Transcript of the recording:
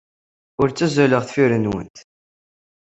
Ur ttazzaleɣ deffir-nwent.